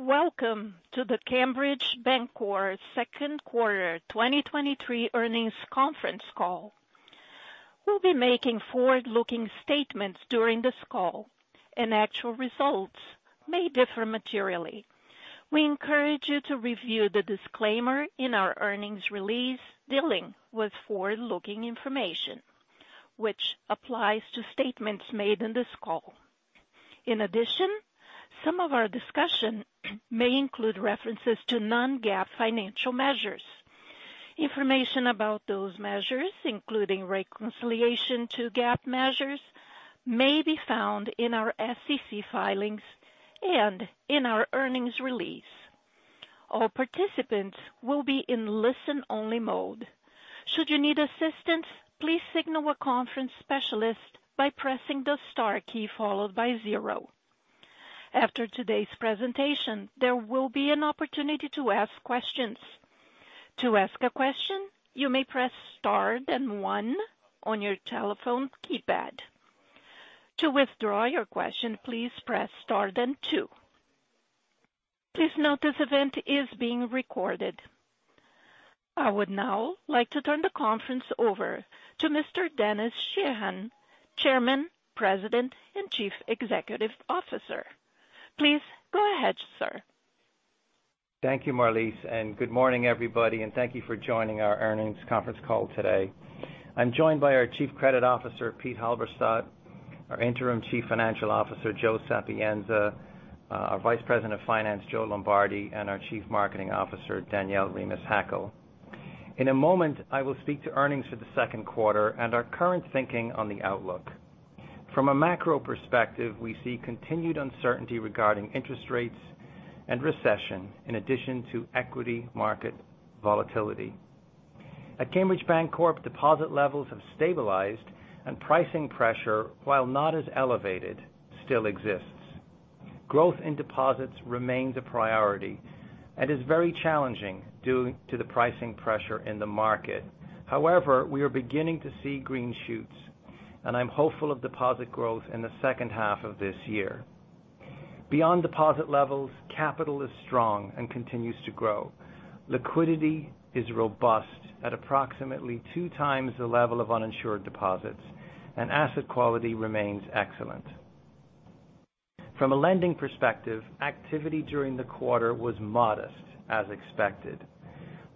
Welcome to the Cambridge Bancorp second quarter 2023 earnings conference call. We'll be making forward-looking statements during this call, and actual results may differ materially. We encourage you to review the disclaimer in our earnings release dealing with forward-looking information, which applies to statements made in this call. In addition, some of our discussion may include references to non-GAAP financial measures. Information about those measures, including reconciliation to GAAP measures, may be found in our SEC filings and in our earnings release. All participants will be in listen-only mode. Should you need assistance, please signal a conference specialist by pressing the star key followed by zero. After today's presentation, there will be an opportunity to ask questions. To ask a question, you may press star then one on your telephone keypad. To withdraw your question, please press star then two. Please note this event is being recorded. I would now like to turn the conference over to Mr. Denis Sheahan, Chairman, President, and Chief Executive Officer. Please go ahead, sir. Thank you, Marlise, and good morning, everybody, and thank you for joining our earnings conference call today. I'm joined by our Chief Credit Officer, Pete Halberstadt, our Interim Chief Financial Officer, Joe Sapienza, our Vice President of Finance, Joe Lombardi, and our Chief Marketing Officer, Danielle Remis Hackel. In a moment, I will speak to earnings for the second quarter and our current thinking on the outlook. From a macro perspective, we see continued uncertainty regarding interest rates and recession in addition to equity market volatility. At Cambridge Bancorp, deposit levels have stabilized and pricing pressure, while not as elevated, still exists. Growth in deposits remains a priority and is very challenging due to the pricing pressure in the market. However, we are beginning to see green shoots, and I'm hopeful of deposit growth in the second half of this year. Beyond deposit levels, capital is strong and continues to grow. Liquidity is robust at approximately two times the level of uninsured deposits. Asset quality remains excellent. From a lending perspective, activity during the quarter was modest, as expected.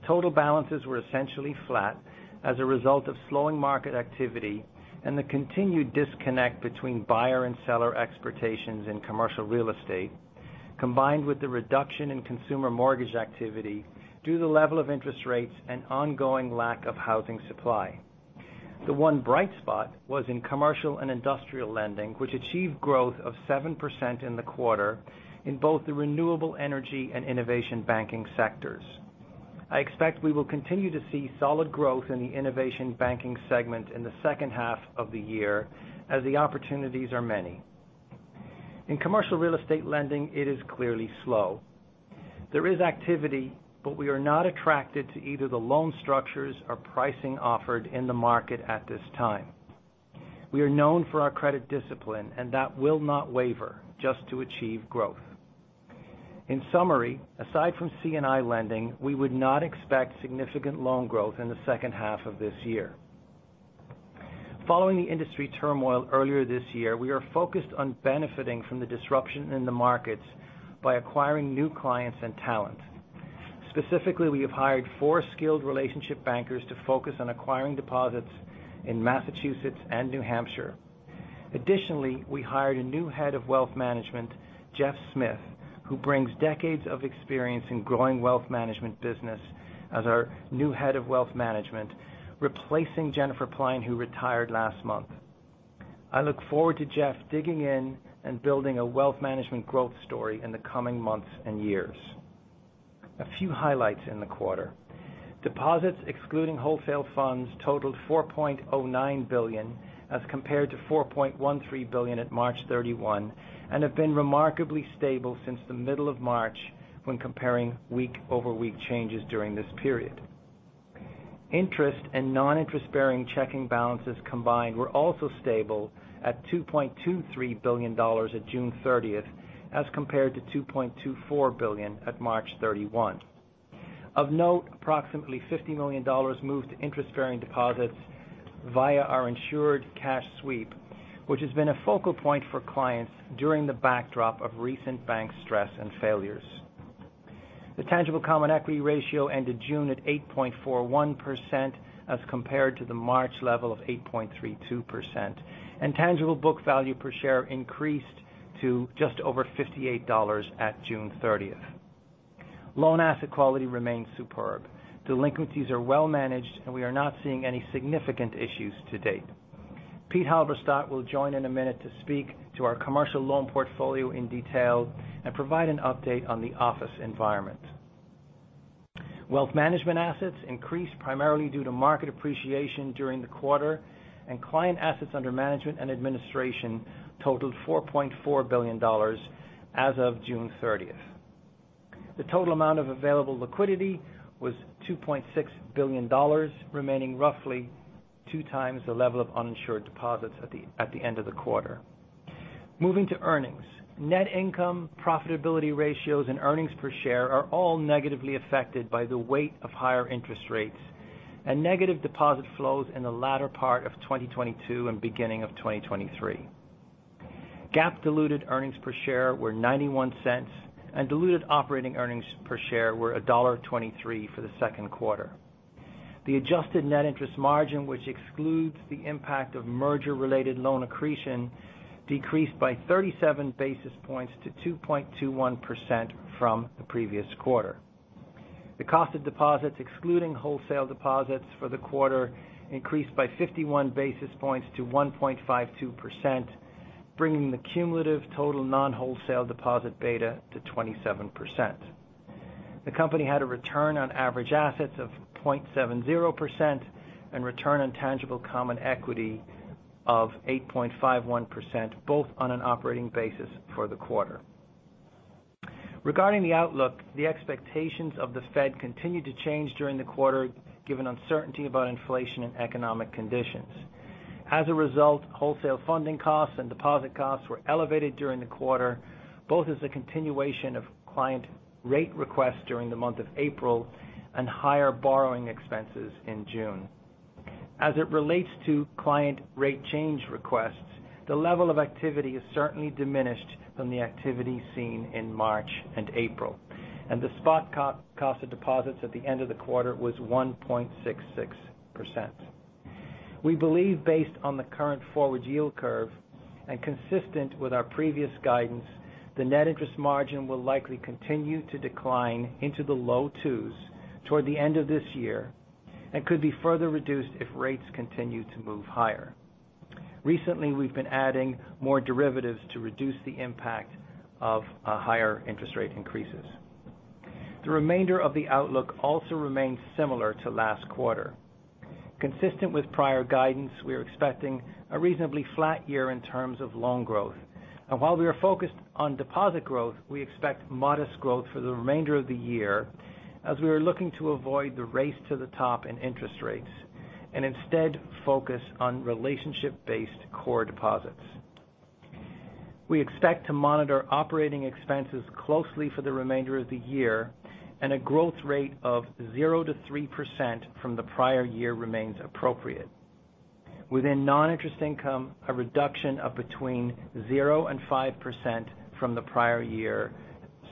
Total balances were essentially flat as a result of slowing market activity and the continued disconnect between buyer and seller expectations in commercial real estate, combined with the reduction in consumer mortgage activity due to the level of interest rates and ongoing lack of housing supply. The one bright spot was in commercial and industrial lending, which achieved growth of 7% in the quarter in both the renewable energy and innovation banking sectors. I expect we will continue to see solid growth in the innovation banking segment in the second half of the year as the opportunities are many. In commercial real estate lending, it is clearly slow. There is activity, but we are not attracted to either the loan structures or pricing offered in the market at this time. We are known for our credit discipline, and that will not waver just to achieve growth. In summary, aside from C&I lending, we would not expect significant loan growth in the second half of this year. Following the industry turmoil earlier this year, we are focused on benefiting from the disruption in the markets by acquiring new clients and talent. Specifically, we have hired four skilled relationship bankers to focus on acquiring deposits in Massachusetts and New Hampshire. Additionally, we hired a new Head of Wealth Management, Jeffrey Smith, who brings decades of experience in growing wealth management business as our new Head of Wealth Management, replacing Jennifer Pline, who retired last month. I look forward to Jeff digging in and building a wealth management growth story in the coming months and years. A few highlights in the quarter. Deposits, excluding wholesale funds, totaled $4.09 billion, as compared to $4.13 billion at March 31, and have been remarkably stable since the middle of March when comparing week-over-week changes during this period. Interest and non-interest-bearing checking balances combined were also stable at $2.23 billion at June 30th, as compared to $2.24 billion at March 31. Of note, approximately $50 million moved to interest-bearing deposits via our Insured Cash Sweep, which has been a focal point for clients during the backdrop of recent bank stress and failures. The tangible common equity ratio ended June at 8.41%, as compared to the March level of 8.32%, and tangible book value per share increased to just over $58 at June 30th. Loan asset quality remains superb. Delinquencies are well managed, and we are not seeing any significant issues to date. Pete Halberstadt will join in a minute to speak to our commercial loan portfolio in detail and provide an update on the office environment. Wealth management assets increased primarily due to market appreciation during the quarter, and client assets under management and administration totaled $4.4 billion as of June 30th. The total amount of available liquidity was $2.6 billion, remaining roughly 2 times the level of uninsured deposits at the end of the quarter. Moving to earnings. Net income, profitability ratios, and earnings per share are all negatively affected by the weight of higher interest rates and negative deposit flows in the latter part of 2022 and beginning of 2023. GAAP diluted earnings per share were $0.91, and diluted operating earnings per share were $1.23 for the second quarter. The adjusted net interest margin, which excludes the impact of merger-related loan accretion, decreased by 37 basis points to 2.21% from the previous quarter. The cost of deposits, excluding wholesale deposits for the quarter, increased by 51 basis points to 1.52%, bringing the cumulative total non-wholesale deposit beta to 27%. The company had a return on average assets of 0.7% and return on tangible common equity of 8.51%, both on an operating basis for the quarter. Regarding the outlook, the expectations of the Fed continued to change during the quarter, given uncertainty about inflation and economic conditions. Wholesale funding costs and deposit costs were elevated during the quarter, both as a continuation of client rate requests during the month of April and higher borrowing expenses in June. As it relates to client rate change requests, the level of activity has certainly diminished from the activity seen in March and April, the spot cost of deposits at the end of the quarter was 1.66%. We believe based on the current forward yield curve and consistent with our previous guidance, the net interest margin will likely continue to decline into the low twos toward the end of this year and could be further reduced if rates continue to move higher. Recently, we've been adding more derivatives to reduce the impact of higher interest rate increases. The remainder of the outlook also remains similar to last quarter. Consistent with prior guidance, we are expecting a reasonably flat year in terms of loan growth. While we are focused on deposit growth, we expect modest growth for the remainder of the year as we are looking to avoid the race to the top in interest rates, and instead, focus on relationship-based core deposits. We expect to monitor operating expenses closely for the remainder of the year. A growth rate of 0% to 3% from the prior year remains appropriate. Within non-interest income, a reduction of between 0% and 5% from the prior year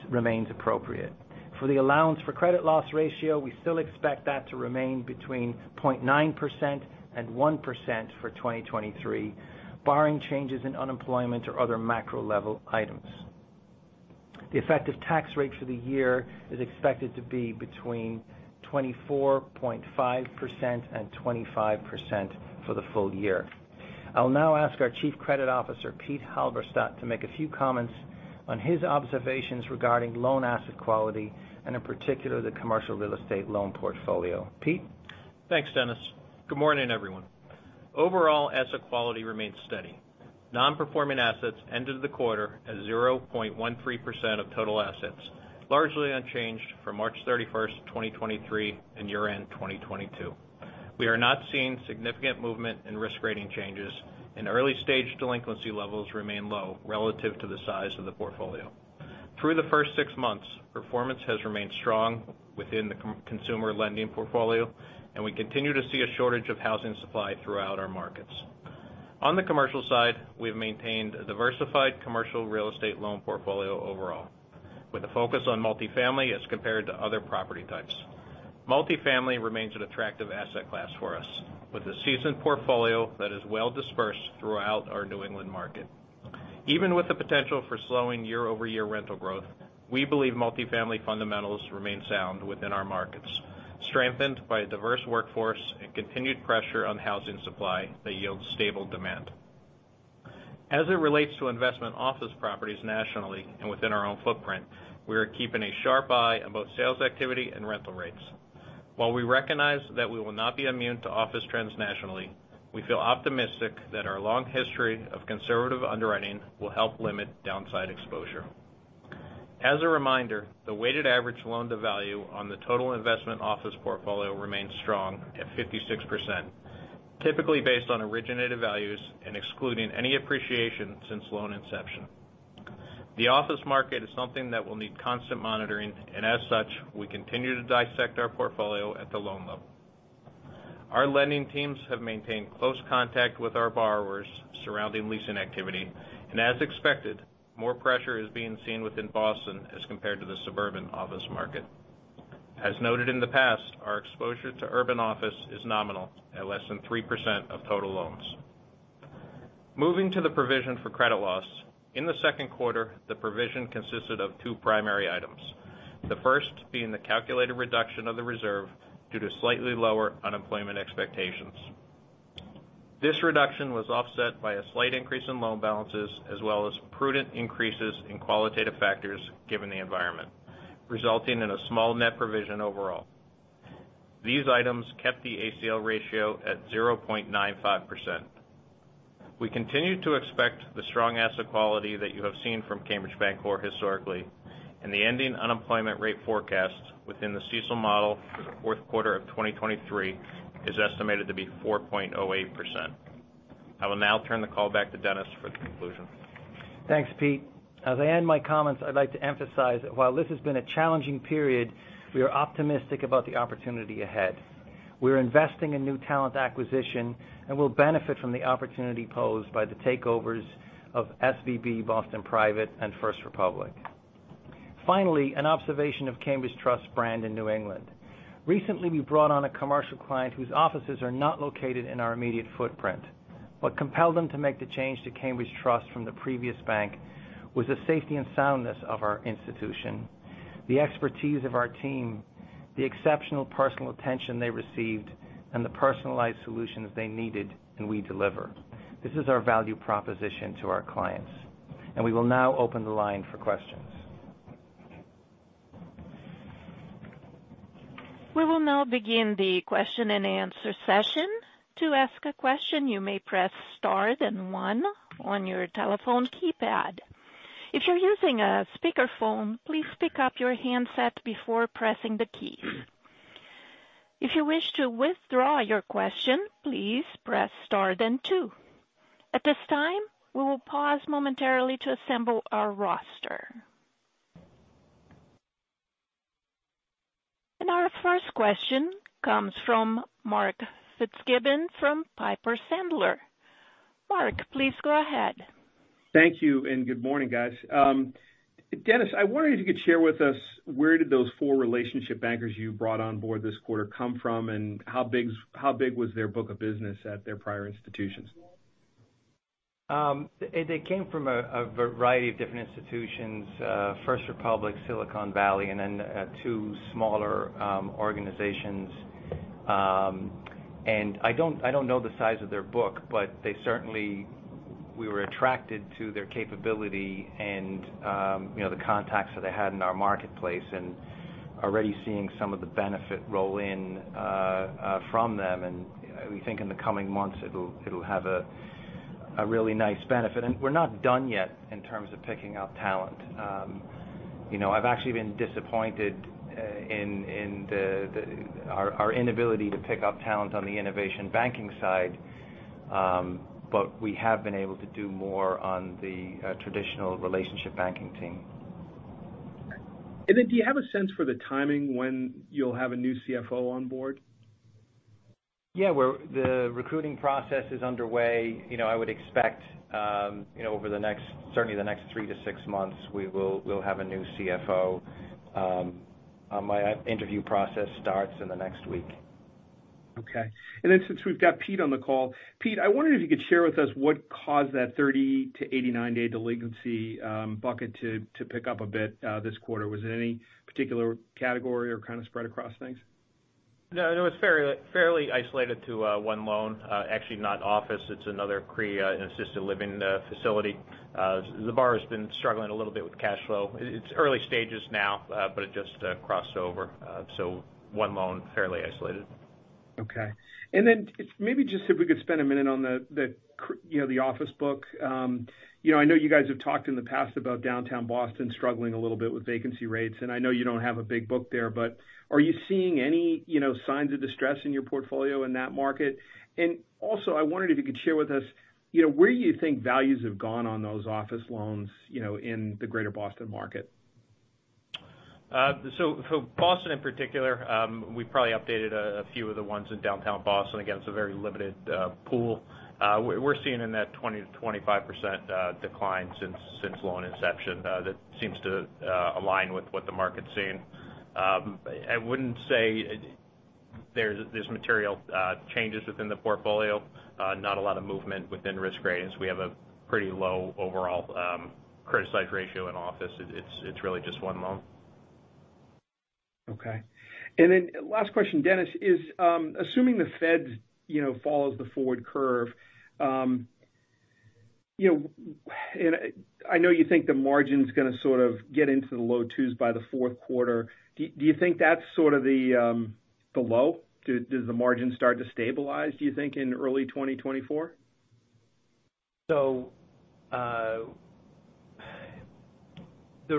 remains appropriate. For the allowance for credit losses ratio, we still expect that to remain between 0.9% and 1% for 2023, barring changes in unemployment or other macro-level items. The effective tax rate for the year is expected to be between 24.5% and 25% for the full year. I'll now ask our Chief Credit Officer, Pete Halberstadt, to make a few comments on his observations regarding loan asset quality and in particular, the commercial real estate loan portfolio. Pete? Thanks, Denis. Good morning, everyone. Overall, asset quality remains steady. Non-performing assets ended the quarter at 0.13% of total assets, largely unchanged from March 31st, 2023 and year-end 2022. We are not seeing significant movement in risk rating changes, and early-stage delinquency levels remain low relative to the size of the portfolio. Through the first six months, performance has remained strong within the consumer lending portfolio, and we continue to see a shortage of housing supply throughout our markets. On the commercial side, we've maintained a diversified commercial real estate loan portfolio overall, with a focus on multifamily as compared to other property types. Multifamily remains an attractive asset class for us, with a seasoned portfolio that is well dispersed throughout our New England market. Even with the potential for slowing year-over-year rental growth, we believe multifamily fundamentals remain sound within our markets, strengthened by a diverse workforce and continued pressure on housing supply that yields stable demand. As it relates to investment office properties nationally and within our own footprint, we are keeping a sharp eye on both sales activity and rental rates. While we recognize that we will not be immune to office trends nationally, we feel optimistic that our long history of conservative underwriting will help limit downside exposure. As a reminder, the weighted average loan-to-value on the total investment office portfolio remains strong at 56%, typically based on originated values and excluding any appreciation since loan inception. The office market is something that will need constant monitoring, and as such, we continue to dissect our portfolio at the loan level. Our lending teams have maintained close contact with our borrowers surrounding leasing activity. As expected, more pressure is being seen within Boston as compared to the suburban office market. As noted in the past, our exposure to urban office is nominal, at less than 3% of total loans. Moving to the provision for credit losses, in the second quarter, the provision consisted of two primary items. The first being the calculated reduction of the reserve due to slightly lower unemployment expectations. This reduction was offset by a slight increase in loan balances, as well as prudent increases in qualitative factors, given the environment, resulting in a small net provision overall. These items kept the ACL ratio at 0.95%. We continue to expect the strong asset quality that you have seen from Cambridge Bancorp historically, the ending unemployment rate forecast within the CECL model for the fourth quarter of 2023 is estimated to be 4.08%. I will now turn the call back to Denis for the conclusion. Thanks, Pete. As I end my comments, I'd like to emphasize that while this has been a challenging period, we are optimistic about the opportunity ahead. We're investing in new talent acquisition, we'll benefit from the opportunity posed by the takeovers of SVB, Boston Private, and First Republic. An observation of Cambridge Trust Brand in New England. Recently, we brought on a commercial client whose offices are not located in our immediate footprint. What compelled them to make the change to Cambridge Trust from the previous bank was the safety and soundness of our institution, the expertise of our team, the exceptional personal attention they received, and the personalized solutions they needed, and we delivered. This is our value proposition to our clients, we will now open the line for questions. We will now begin the question-and-answer session. To ask a question, you may press star one on your telephone keypad. If you're using a speakerphone, please pick up your handset before pressing the key. If you wish to withdraw your question, please press star two. At this time, we will pause momentarily to assemble our roster. Our first question comes from Mark Fitzgibbon, from Piper Sandler. Mark, please go ahead. Thank you. Good morning, guys. Denis, I wondered if you could share with us, where did those four relationship bankers you brought on board this quarter come from, and how big was their book of business at their prior institutions? They came from a variety of different institutions, First Republic, Silicon Valley, and then two smaller organizations. I don't know the size of their book, but we were attracted to their capability and, you know, the contacts that they had in our marketplace, and already seeing some of the benefit roll in from them. We think in the coming months, it'll have a really nice benefit. We're not done yet in terms of picking up talent. You know, I've actually been disappointed in the our inability to pick up talent on the innovation banking side, but we have been able to do more on the traditional relationship banking team. Do you have a sense for the timing when you'll have a new CFO on board? Yeah, the recruiting process is underway. You know, I would expect, you know, over the next, certainly the next three to six months, we'll have a new CFO. My interview process starts in the next week. Okay. Then since we've got Pete on the call, Pete, I wondered if you could share with us what caused that 30 to 89-day delinquency bucket to pick up a bit this quarter. Was it any particular category or kind of spread across things? No, it was fairly isolated to one loan. Actually, not office, it's another CRE, an assisted living facility. The borrower has been struggling a little bit with cash flow. It's early stages now, but it just crossed over. one loan, fairly isolated. Okay. Maybe just if we could spend a minute on the, you know, the office book. You know, I know you guys have talked in the past about downtown Boston struggling a little bit with vacancy rates, and I know you don't have a big book there, but are you seeing any, you know, signs of distress in your portfolio in that market? Also, I wondered if you could share with us, you know, where you think values have gone on those office loans, you know, in the greater Boston market. For Boston, in particular, we probably updated a few of the ones in downtown Boston. Again, it's a very limited pool. We're seeing in that 20% to 25% decline since loan inception, that seems to align with what the market's seeing. I wouldn't say there's material changes within the portfolio. Not a lot of movement within risk ratings. We have a pretty low overall criticized ratio in office. It's really just one loan. Okay. Then last question, Denis, is assuming the Fed, you know, follows the forward curve, you know, I know you think the margin's gonna sort of get into the low twos by the fourth quarter. Do you think that's sort of the low? Does the margin start to stabilize, do you think, in early 2024? The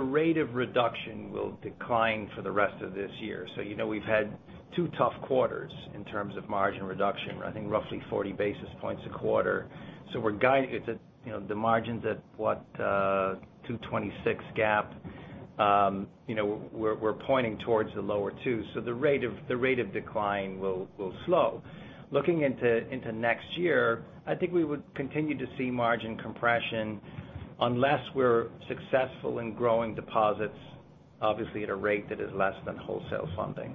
rate of reduction will decline for the rest of this year. You know, we've had two tough quarters in terms of margin reduction, I think roughly 40 basis points a quarter. We're guiding it at, you know, the margin's at, what, 2.26 GAAP. You know, we're pointing towards the lower two. The rate of decline will slow. Looking into next year, I think we would continue to see margin compression unless we're successful in growing deposits, obviously, at a rate that is less than wholesale funding,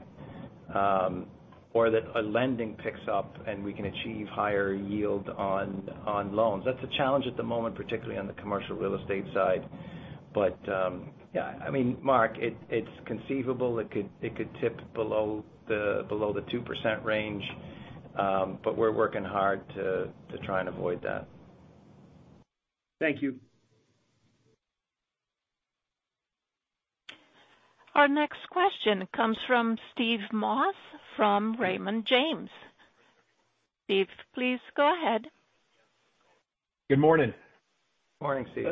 or that lending picks up, and we can achieve higher yield on loans. That's a challenge at the moment, particularly on the commercial real-estate side. Yeah, I mean, Mark, it's conceivable it could tip below the 2% range, but we're working hard to try and avoid that. Thank you. Our next question comes from Steve Moss, from Raymond James. Steve, please go ahead. Good morning. Morning, Steve.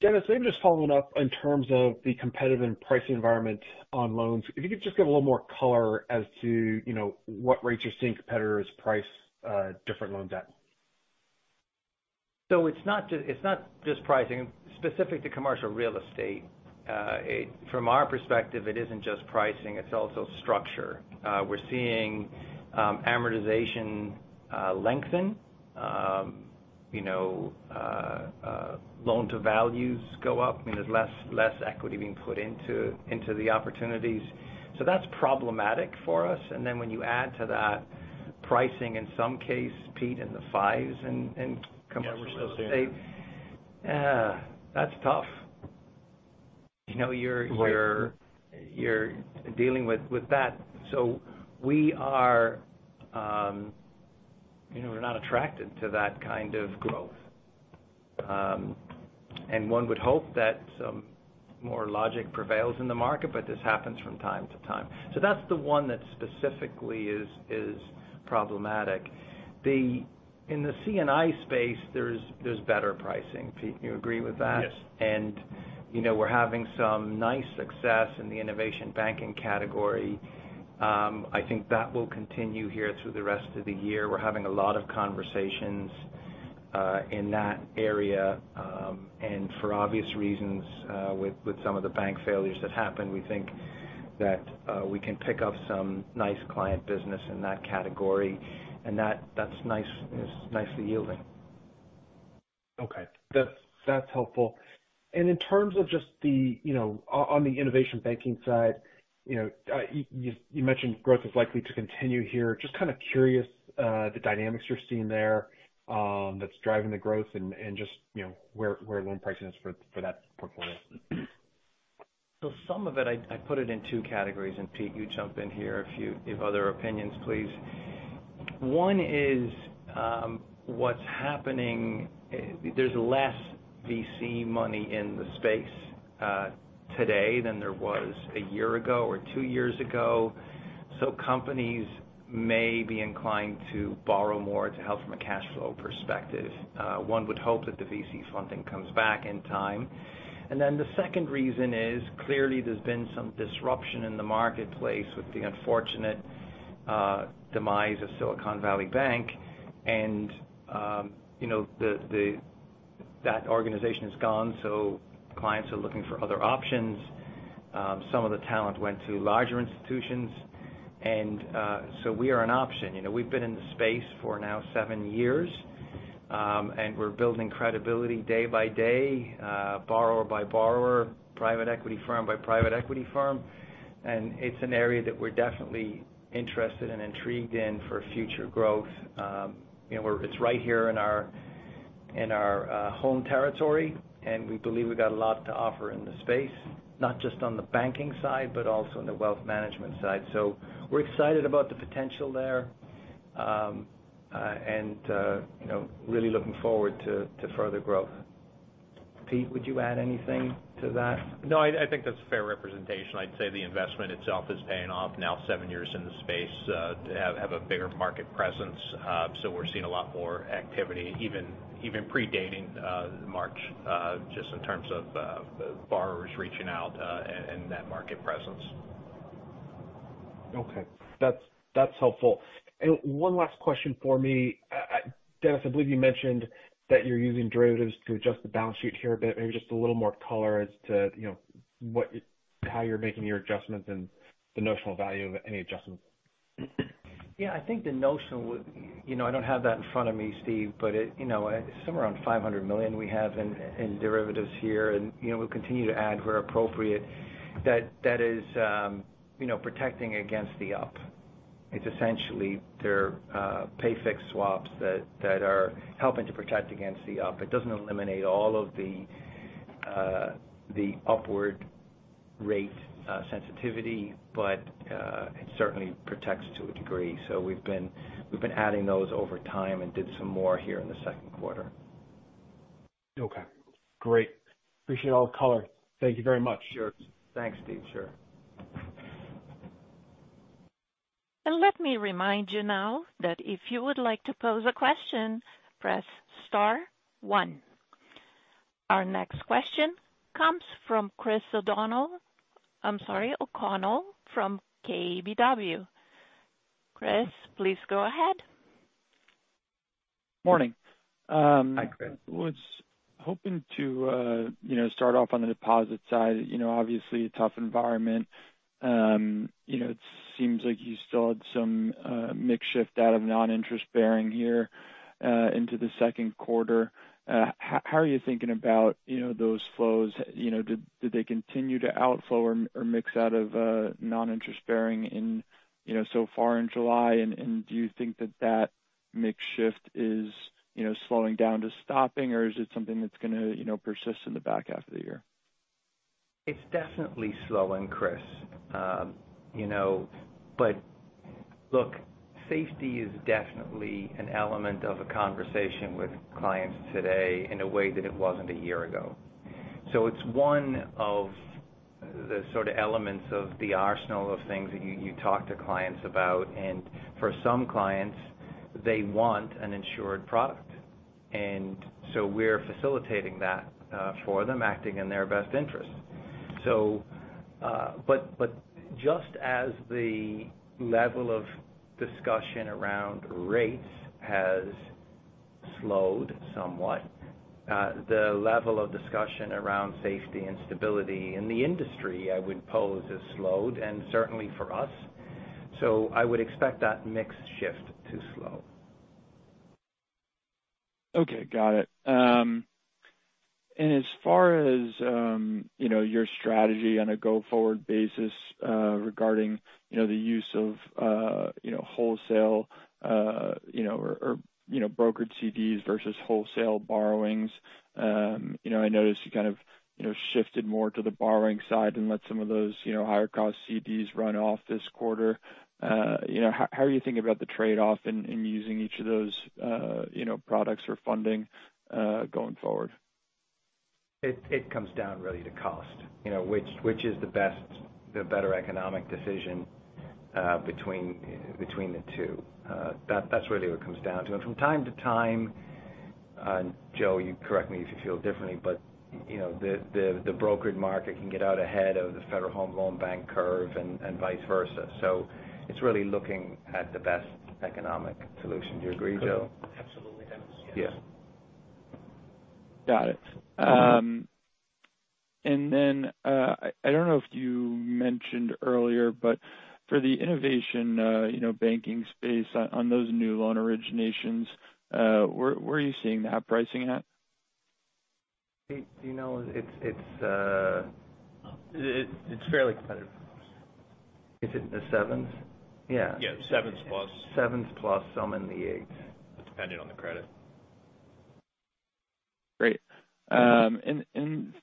Denis, maybe just following up in terms of the competitive and pricing environment on loans. If you could just give a little more color as to, you know, what rates you're seeing competitors price different loans at? It's not just pricing. Specific to commercial real-estate, from our perspective, it isn't just pricing, it's also structure. We're seeing amortization lengthen. You know, loan to values go up, I mean, there's less equity being put into the opportunities. That's problematic for us. When you add to that pricing, in some case, Pete, in the fives. Yeah, we're still seeing it. Yeah, that's tough. You know, you're. Right. You're dealing with that. We are, you know, we're not attracted to that kind of growth. One would hope that some more logic prevails in the market, but this happens from time to time. That's the one that specifically is problematic. In the C&I space, there's better pricing. Pete, you agree with that? Yes. You know, we're having some nice success in the innovation banking category. I think that will continue here through the rest of the year. We're having a lot of conversations in that area. For obvious reasons, with some of the bank failures that happened, we think that we can pick up some nice client business in that category, and it's nicely yielding. Okay, that's helpful. In terms of just the, you know, on the innovation banking side, you know, you mentioned growth is likely to continue here. Just kind of curious, the dynamics you're seeing there, that's driving the growth and just, you know, where loan pricing is for that portfolio. Some of it, I put it in two categories, and Pete, you jump in here if you have other opinions, please. One is, what's happening, there's less VC money in the space today than there was a year ago or two years ago. Companies may be inclined to borrow more to help from a cash flow perspective. One would hope that the VC funding comes back in time. The second reason is, clearly, there's been some disruption in the marketplace with the unfortunate demise of Silicon Valley Bank, and you know, that organization is gone, so clients are looking for other options. Some of the talent went to larger institutions, and, so we are an option. You know, we've been in the space for now seven years, and we're building credibility day by day, borrower by borrower, private equity firm by private equity firm, and it's an area that we're definitely interested and intrigued in for future growth. You know, it's right here in our home territory, and we believe we've got a lot to offer in the space, not just on the banking side, but also on the wealth management side. We're excited about the potential there, and you know, really looking forward to further growth. Pete, would you add anything to that? No, I think that's a fair representation. I'd say the investment itself is paying off now, seven years in the space, to have a bigger market presence. We're seeing a lot more activity, even predating March, just in terms of borrowers reaching out, and that market presence. Okay, that's helpful. One last question for me. Denis, I believe you mentioned that you're using derivatives to adjust the balance sheet here a bit. Maybe just a little more color as to, you know, how you're making your adjustments and the notional value of any adjustments. Yeah, I think the notional would, you know, I don't have that in front of me, Steve, but it, you know, somewhere around $500 million we have in derivatives here, and, you know, we'll continue to add where appropriate. That is, you know, protecting against the up. It's essentially their pay-fixed swaps that are helping to protect against the up. It doesn't eliminate all of the upward rate sensitivity, but it certainly protects to a degree. We've been adding those over time and did some more here in the second quarter. Okay, great. Appreciate all the color. Thank you very much. Sure. Thanks, Steve. Sure. Let me remind you now that if you would like to pose a question, press star one. Our next question comes from Chris O'Connell. I'm sorry, O'Connell from KBW. Chris, please go ahead. Morning. Hi, Chris. I was hoping to, you know, start off on the deposit side. You know, obviously a tough environment. You know, it seems like you still had some mix shift out of non-interest bearing here into the second quarter. How are you thinking about, you know, those flows? You know, did they continue to outflow or mix out of non-interest bearing in, you know, so far in July? Do you think that that mix shift is, you know, slowing down to stopping, or is it something that's gonna, you know, persist in the back half of the year? It's definitely slowing, Chris. You know, look, safety is definitely an element of a conversation with clients today in a way that it wasn't a year ago. It's one of the sort of elements of the arsenal of things that you talk to clients about. For some clients, they want an insured product. We're facilitating that for them, acting in their best interest. But just as the level of discussion around rates has slowed somewhat, the level of discussion around safety and stability in the industry, I would pose, has slowed, and certainly for us. I would expect that mix shift to slow. Okay, got it. As far as, you know, your strategy on a go-forward basis, regarding, you know, the use of, you know, wholesale, you know, or, you know, brokered CDs versus wholesale borrowings, you know, I noticed you kind of, you know, shifted more to the borrowing side and let some of those, you know, higher cost CDs run off this quarter. You know, how are you thinking about the trade-off in using each of those, you know, products or funding, going forward? It comes down really to cost. You know, which is the better economic decision between the two? That's really what it comes down to. From time to time, Joe, you correct me if you feel differently, but, you know, the brokered market can get out ahead of the Federal Home Loan Bank curve and vice versa. It's really looking at the best economic solution. Do you agree, Joe? Absolutely, Denis, yes. Yeah. Got it. I don't know if you mentioned earlier, but for the innovation, you know, banking space on those new loan originations, where are you seeing that pricing at? Pete, do you know? It's. It's fairly competitive. Is it in the sevens? Yeah. Yeah, 7s+. 7%+, some in the 8%. Depending on the credit. Great.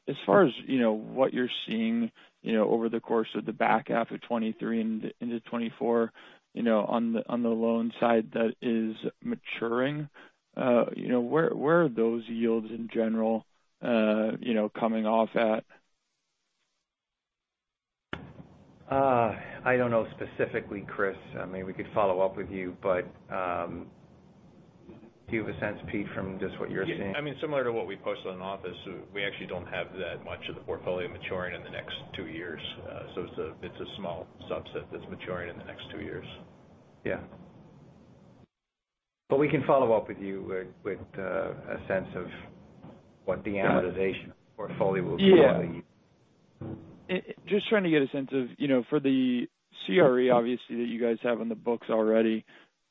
As far as, you know, what you're seeing, you know, over the course of the back half of 2023 and into 2024, you know, on the, on the loan side that is maturing, you know, where are those yields in general, you know, coming off at? I don't know specifically, Chris. I mean, we could follow up with you, but, do you have a sense, Pete, from just what you're seeing? I mean, similar to what we posted on office, we actually don't have that much of the portfolio maturing in the next two years. It's a small subset that's maturing in the next two years. Yeah. We can follow up with you with a sense of what the amortization portfolio will be. Yeah. Just trying to get a sense of, you know, for the CRE obviously that you guys have on the books already,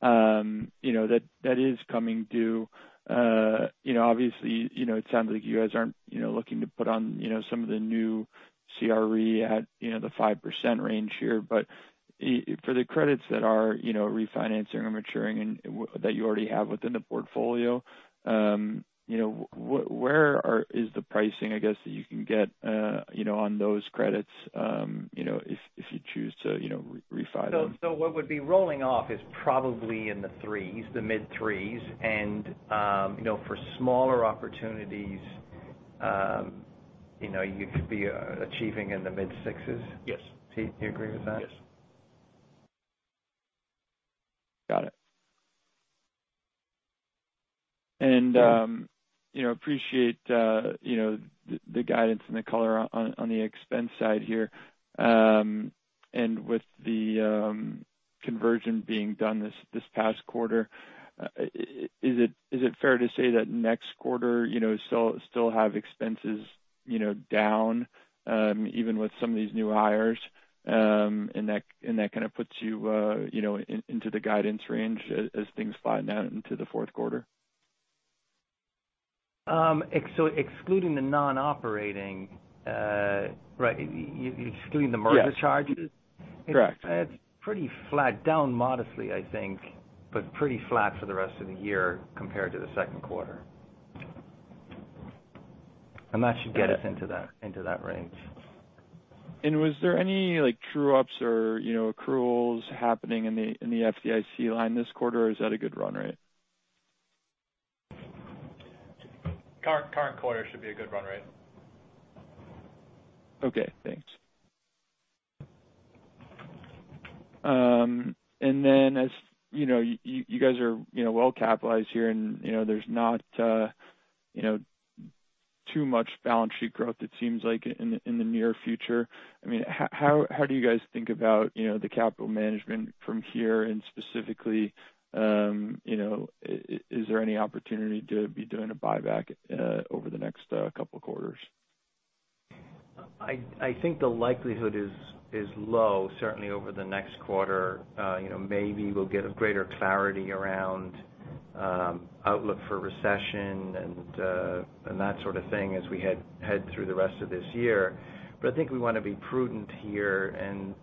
you know, that is coming due. You know, obviously, you know, it sounds like you guys aren't, you know, looking to put on, you know, some of the new CRE at, you know, the 5% range here. For the credits that are, you know, refinancing or maturing and that you already have within the portfolio, you know, where is the pricing, I guess, that you can get, you know, on those credits, you know, if you choose to, you know, refi them? What would be rolling off is probably in the three's, the mid three's. You know, for smaller opportunities, you know, you could be achieving in the mid six's. Yes. Pete, do you agree with that? Yes. Got it. You know, appreciate, you know, the guidance and the color on, on the expense side here. With the conversion being done this past quarter, is it fair to say that next quarter, you know, still have expenses, you know, down even with some of these new hires, and that, and that kind of puts you know, into the guidance range as things slide down into the fourth quarter? Excluding the non-operating, right, you excluding the merger charges? Yes. Correct. It's pretty flat, down modestly, I think, but pretty flat for the rest of the year compared to the second quarter. That should get us into that, into that range. Was there any, like, true ups or, you know, accruals happening in the, in the FDIC line this quarter, or is that a good run rate? Current quarter should be a good run rate. Okay, thanks. You know, you guys are, you know, well capitalized here, and, you know, there's not, you know, too much balance sheet growth, it seems like, in the near future. I mean, how do you guys think about, you know, the capital management from here, and specifically, you know, is there any opportunity to be doing a buyback over the next couple quarters? I think the likelihood is low, certainly over the next quarter. you know, maybe we'll get a greater clarity around outlook for recession and that sort of thing as we head through the rest of this year. I think we want to be prudent here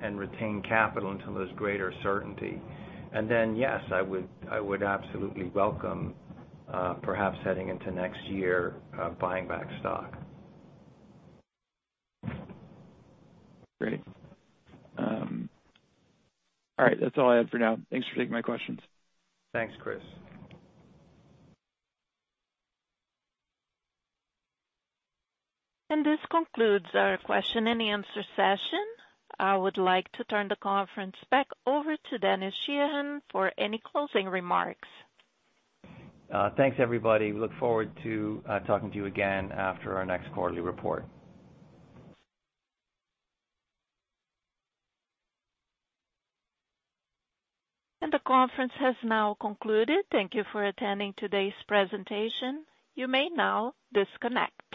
and retain capital until there's greater certainty. Then, yes, I would absolutely welcome, perhaps heading into next year, buying back stock. Great. All right, that's all I have for now. Thanks for taking my questions. Thanks, Chris. This concludes our question and answer session. I would like to turn the conference back over to Denis Sheahan for any closing remarks. Thanks, everybody. We look forward to talking to you again after our next quarterly report. The conference has now concluded. Thank you for attending today's presentation. You may now disconnect.